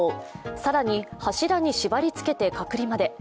更に、柱に縛りつけて隔離まで。